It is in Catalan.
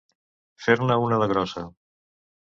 Fer-ne una de grossa.